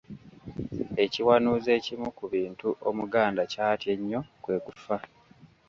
Ekiwanuuzo ekimu ku bintu Omuganda kyatya ennyo kwe kufa.